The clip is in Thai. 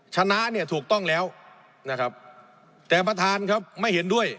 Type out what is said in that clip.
ชนะเนี่ยถูกต้องแล้วนะครับแต่ประธานครับไม่เห็นด้วย